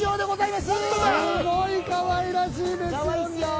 すごいかわいらしいです。